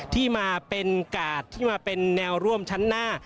ที่มาเป็นกาดที่มาเป็นแนวร่วมชั้นหน้า